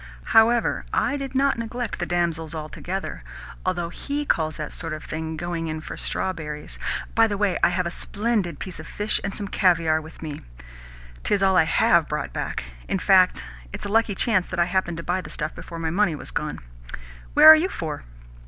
However, I did not neglect the damsels altogether although HE calls that sort of thing 'going in for strawberries.' By the way, I have a splendid piece of fish and some caviare with me. 'Tis all I HAVE brought back! In fact it is a lucky chance that I happened to buy the stuff before my money was gone. Where are you for?"